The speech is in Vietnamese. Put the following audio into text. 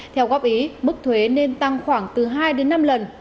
theo góp ý mức thuế nên tăng khoảng từ hai đến năm lần